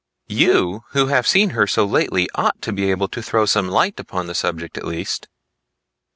"You who have seen her so lately ought to be able to throw some light upon the subject at least."